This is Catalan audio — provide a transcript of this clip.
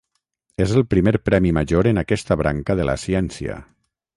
És el primer premi major en aquesta branca de la ciència.